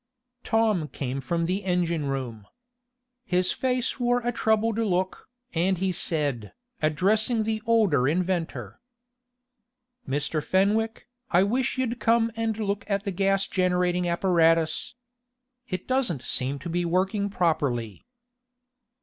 Tom came from the engine room. His face wore a troubled look, and he said, addressing the older inventor: "Mr. Fenwick, I wish you'd come and look at the gas generating apparatus. It doesn't seem to be working properly."